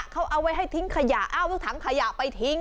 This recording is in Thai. เขาเอาไว้ให้ทิ้งขยะเอาถังขยะไปทิ้ง